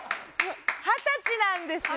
二十歳なんですよ。